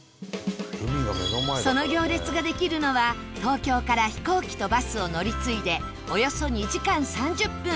その行列ができるのは東京から飛行機とバスを乗り継いでおよそ２時間３０分